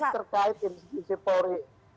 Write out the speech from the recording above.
tapi terkait institusi polri